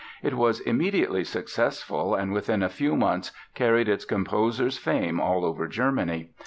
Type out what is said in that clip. It was immediately successful and within a few months carried its composer's fame all over Germany.